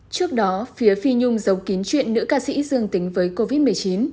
trước đó phía phi nhung giấu kín chuyện nữ ca sĩ dương tính với covid một mươi chín